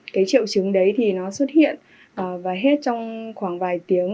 cái triệu chứng đấy thì nó xuất hiện và hết trong khoảng vài tiếng